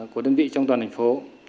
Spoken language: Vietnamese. của đơn vị trong toàn thành phố